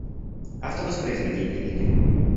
Автовоспроизведение видео